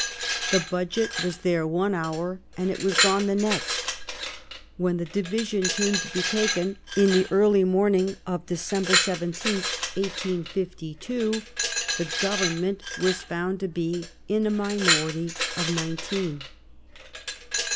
The budget was there one hour, and it was gone the next. When the division came to be taken in the early morning of December 17, 1852, the Government was found to be in a minority of nineteen.